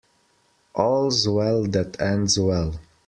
All's well that ends well.